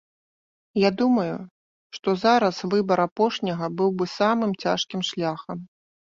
Я думаю, што зараз выбар апошняга быў бы самым цяжкім шляхам.